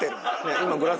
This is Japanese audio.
今グラス。